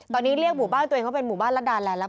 ตอนนี้เรียกหมู่บ้านตัวเองว่าเป็นหมู่บ้านรัฐดาแลนดแล้ว